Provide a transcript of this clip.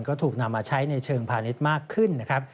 ก็ถูกนำมาใช้ในเชิงพาณิชย์มากขึ้นนะครับ